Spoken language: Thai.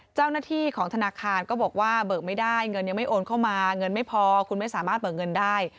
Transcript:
เจ้าหน้าที่ของธนาคารก็บอกว่าเบิกไม่ได้เงินยังไม่โอนเข้ามาเงินไม่พอคุณไม่สามารถเบิกเงินได้